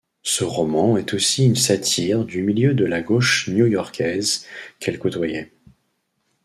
Ce roman est aussi une satire du milieu de la gauche new-yorkaise qu'elle côtoyait.